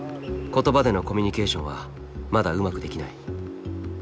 言葉でのコミュニケーションはまだうまくできない。